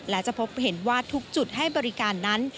และจะพบเห็นว่าทุกจุดให้บริการนั้น